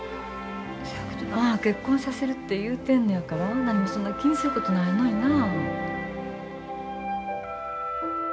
そやけどなあ結婚させるて言うてんのやからなにもそんな気にすることないのにな。